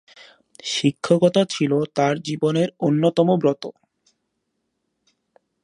শিক্ষকতা ছিল তাঁর জীবনের অন্যতম ব্রত।